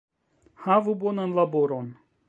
Havu bonan laboron